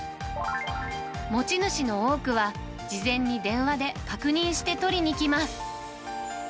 持ち主の多くは、事前に電話で確認して取りに来ます。